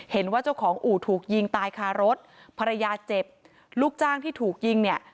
เห็นว่าเจ้าของอู่ถูกยิงตายคารถภรรยาเจ็บลูกจ้างที่ถูกยิงเนี่ย